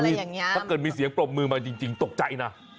ถ้าเกิดมีเสียงปรบมือมาจริงตกใจนะ